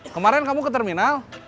kemarin kamu ke terminal